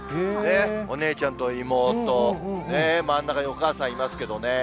お姉ちゃんと妹、真ん中にお母さんいますけどね。